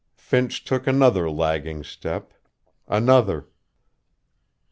Finch took another lagging step, another....